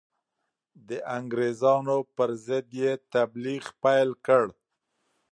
د انګرېزانو پر ضد یې تبلیغ پیل کړ.